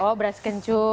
oh beras kencur